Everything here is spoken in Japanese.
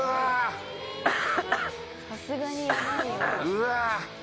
うわ。